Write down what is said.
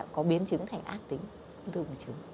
có biến trứng thành ác tính